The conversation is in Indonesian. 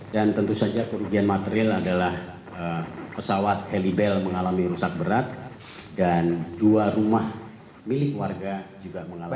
dan tentu saja kerugian material adalah pesawat helibel mengalami rusak berat dan dua rumah milik warga juga mengalami rusak berat